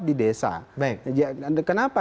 di desa kenapa